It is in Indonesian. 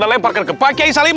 dan lemparkan ke pak yai salim